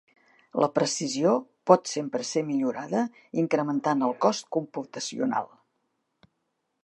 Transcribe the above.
La precisió pot sempre ser millorada incrementant el cost computacional.